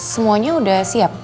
semuanya udah siap